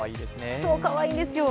かわいいんですよ。